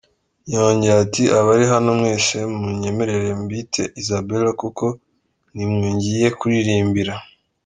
" Yongeye ati "Abari hano mwese munyemerere mbite Isabella kuko ni mwe ngiye kuririmbira.